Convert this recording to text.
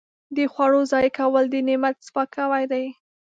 د خوړو ضایع کول د نعمت سپکاوی دی.